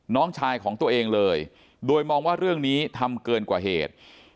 น้องชายของตัวเองเลยโดยมองว่าเรื่องนี้ทำเกินกว่าเหตุ